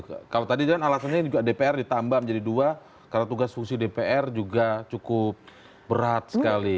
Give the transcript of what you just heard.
kalau tadi kan alasannya juga dpr ditambah menjadi dua karena tugas fungsi dpr juga cukup berat sekali